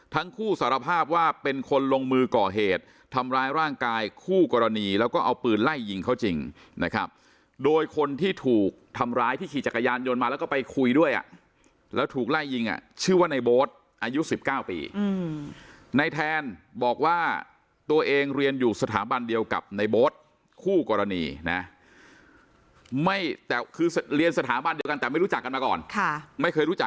ทั้งคู่สารภาพว่าเป็นคนลงมือก่อเหตุทำร้ายร่างกายคู่กรณีแล้วก็เอาปืนไล่ยิงเขาจริงนะครับโดยคนที่ถูกทำร้ายที่ขี่จักรยานยนต์มาแล้วก็ไปคุยด้วยอ่ะแล้วถูกไล่ยิงอ่ะชื่อว่าในโบ๊ทอายุ๑๙ปีในแทนบอกว่าตัวเองเรียนอยู่สถาบันเดียวกับในโบ๊ทคู่กรณีนะไม่แต่คือเรียนสถาบันเดียวกันแต่ไม่รู้จักกันมาก่อนค่ะไม่เคยรู้จัก